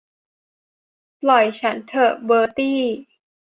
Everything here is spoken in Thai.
ปล่อยฉันเถอะเบอร์ตี้